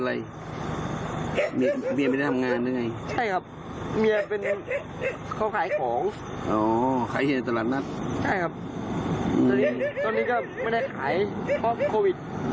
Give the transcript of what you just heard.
นี่ผมว่าทำมาคนเดียว